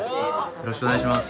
よろしくお願いします。